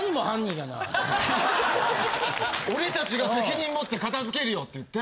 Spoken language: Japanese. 俺たちが責任もって片づけるよって言って。